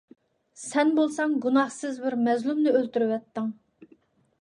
سەن بولساڭ گۇناھسىز بىر مەزلۇمنى ئۆلتۈرۈۋەتتىڭ.